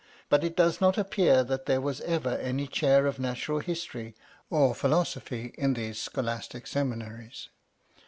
But it does not appear that there was any Chair of Natural History or Philosophy in these scholastic Seminaries.